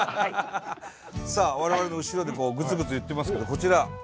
さあ我々の後ろでこうグツグツいってますけどこちら。